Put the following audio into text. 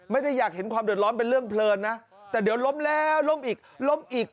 ไม่ได้อยากเห็นความเดือดร้อนเป็นเรื่องเพลินนะแต่เดี๋ยวล้มแล้วล้มอีกล้มอีก